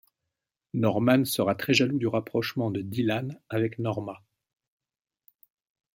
Norman sera très jaloux du rapprochement de Dylan avec Norma.